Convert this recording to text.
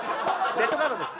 レッドカードです！